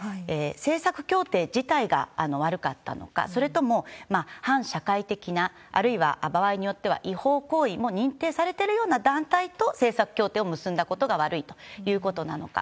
政策協定自体が悪かったのか、それとも、反社会的な、あるいは、場合によっては違法行為も認定されてるような団体と政策協定を結んだことが悪いということなのか。